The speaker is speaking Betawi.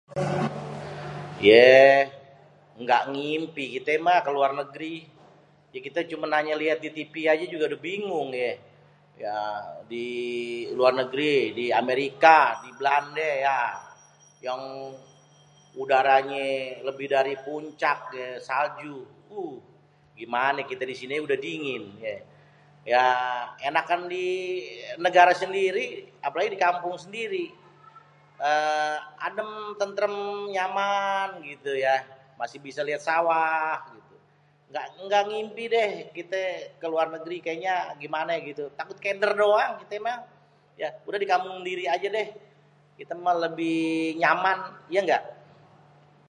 yè ngga ngimpi kitè mah ke luar negèri.. yè kitè cuman hanya liat di tipi aja juga udah bingung yè.. di luar negèri, di amerika, di belandè ya.. yang udaranyè lebih dari puncak, salju.. *huhh.. gimanè kita di sini aja udah dingin.. ya enakan di negara sendiri.. apalagi di kampung sendiri adèm tentrèm nyaman gitu ya.. masih bisa liat sawah.. ngga ngimpi dèh kitè ke luar negèri.. kayaknya gimanè gitu.. takut kèdèr doang kitè mah.. udah di kampung sendiri ajè dèh.. kita mah lebih nyaman.. iya nggak?..